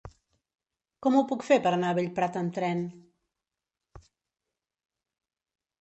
Com ho puc fer per anar a Bellprat amb tren?